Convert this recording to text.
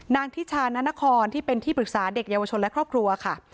ทิชานานครที่เป็นที่ปรึกษาเด็กเยาวชนและครอบครัวค่ะ